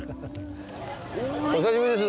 お久しぶりです